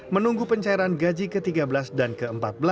menunggu pencairan gaji ke tiga belas dan ke empat belas